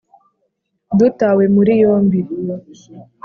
dutawe muri yombi